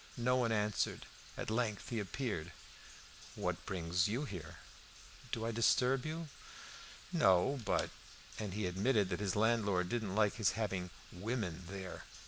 No one answered. At length he appeared. "What brings you here?" "Do I disturb you?" "No; but " And he admitted that his landlord didn't like his having "women" there.